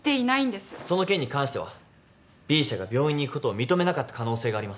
その件に関してはＢ社が病院に行くことを認めなかった可能性があります。